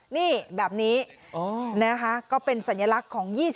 นี่แบบนี้นะคะก็เป็นสัญลักษณ์ของ๒๐